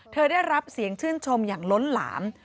ได้รับเสียงชื่นชมอย่างล้นหลาม